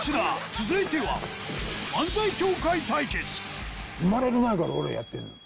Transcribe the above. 続いては生まれる前から俺らやってんの。